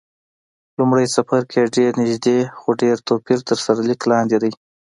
لومړی څپرکی یې ډېر نږدې، خو ډېر توپیر تر سرلیک لاندې دی.